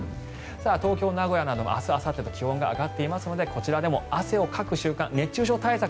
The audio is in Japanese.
東京、名古屋なども明日、あさってと気温が上がっていますのでこちらでも汗をかく習慣熱中症対策